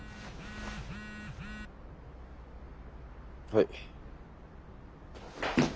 はい。